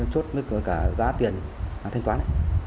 chốt với cả giá tiền thành quán